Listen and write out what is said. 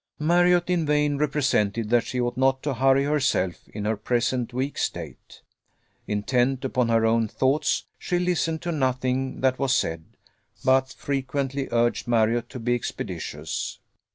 Marriott in vain represented that she ought not to hurry herself in her present weak state. Intent upon her own thoughts, she listened to nothing that was said, but frequently urged Marriott to be expeditious.